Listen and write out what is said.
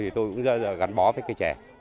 thì tôi cũng gắn bó với cây chè